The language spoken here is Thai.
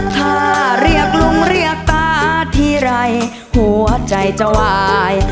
ถ้าเรียกลุงเรียกตาทีไรหัวใจจะวาย